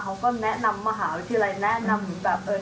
เขาก็แนะนำมหาวิทยาลัยแนะนำแบบ